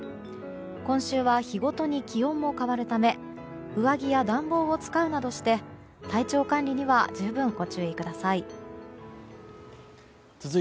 今週は日ごとに気温も変わるため上着や暖房を使うなどして体調管理には十分ご注意ください。